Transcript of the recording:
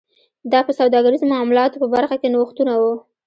دا په سوداګریزو معاملاتو په برخه کې نوښتونه و